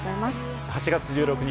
８月１６日